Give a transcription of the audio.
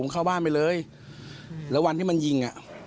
เข้าบ้านไปเลยแล้ววันที่มันยิงอ่ะ